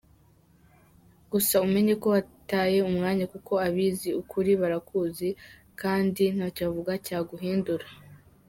Gusa umenye ko wataye umwanya kuko abazi ukuri barakuzi kandi ntacyo wavuga cyaguhindura.